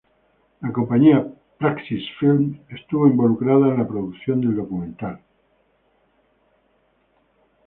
La compañía Praxis Films estuvo involucrada en la producción del documental.